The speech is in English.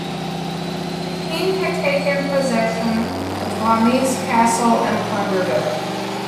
The king had taken possession of Glamis Castle and plundered it.